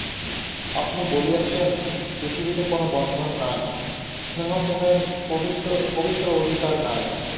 আপনি বলিয়াছেন, পৃথিবীতে কোনো বন্ধন নাই, স্নেহপ্রেমের পবিত্র অধিকার নাই।